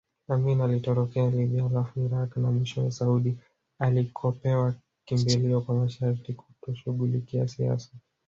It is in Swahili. Amin alitorokea Libya halafu Irak na mwishowe Saudia alikopewa kimbilio kwa masharti kutoshughulikia siasa